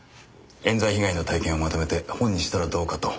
冤罪被害の体験をまとめて本にしたらどうかと。